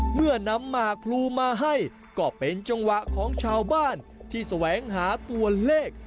เมื่อนำหมากพลูมาให้ก็เป็นจังหวะของชาวบ้านที่แสวงหาตัวเลข